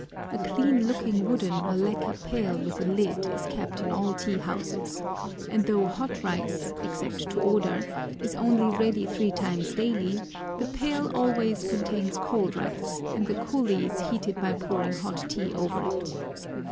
A clean looking wooden or lacquer pail with a lid is kept in all tea houses, and though hot rice, except to order, is only ready three times daily, the pail always contains cold rice, and the coolies heat it by pouring hot tea over it.